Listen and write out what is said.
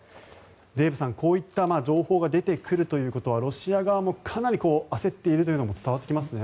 デーブさん、こういった情報が出てくるということはロシア側もかなり焦っているというのも伝わってきますね。